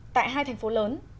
tại hai thành phố lớn